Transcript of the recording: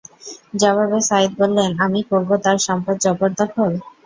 জবাবে সাঈদ বললেন, আমি করবো তার সম্পদ জবরদখল?